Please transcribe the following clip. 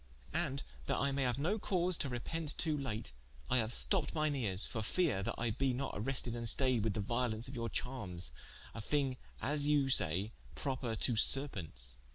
And that I maye haue no cause to repent to late, I haue stopped mine eares for feare, that I be not arested and stayed with the violence of your charmes, a thing as you say proper to Serpentes.